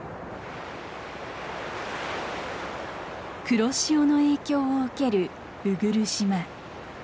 黒潮の影響を受ける鵜来島。